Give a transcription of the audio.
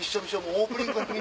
オープニングから。